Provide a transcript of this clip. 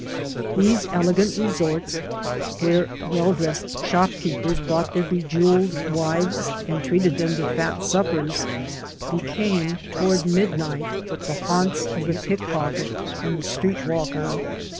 These elegant resorts where well dressed shopkeepers brought their bejeweled wives and treated them to fat suppers, became, toward midnight, the haunts of the pickpocket and the street walker.